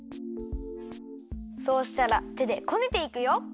そうしたらてでこねていくよ！